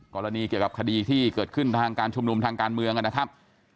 กรณีเกี่ยวกับคดีที่เกิดขึ้นทางการชุมนุมทางการเมืองนะครับ